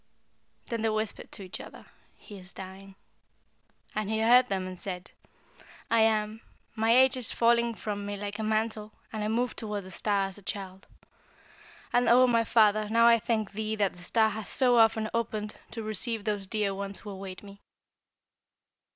Then they whispered to each other, 'He is dying,' and he heard them, and said: 'I am. My age is falling from me like a mantle, and I move toward the star as a child. And, O my Father, now I thank thee that the star has so often opened to receive those dear ones who await me!'